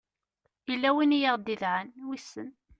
yella win i aɣ-d-idɛan wissen